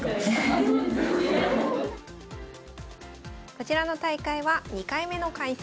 こちらの大会は２回目の開催。